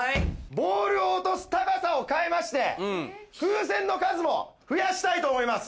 ボールを落とす高さを変えまして風船の数も増やしたいと思います。